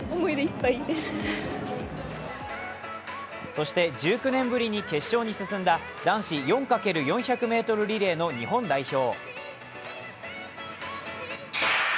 そして１９年ぶりに決勝に進んだ男子４×４００ｍリレー日本代表。